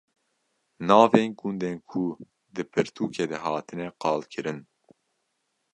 Navên gundên ku di pirtûkê de hatine qalkirin